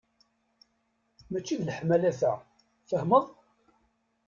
Mačči d leḥmala ta, tfahmeḍ?